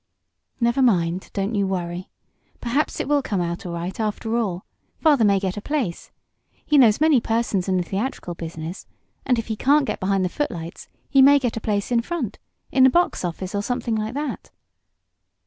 "Never mind, don't you worry. Perhaps it will come out all right, after all. Father may get a place. He knows many persons in the theatrical business, and if he can't get behind the footlights he may get a place in front in the box office, or something like that."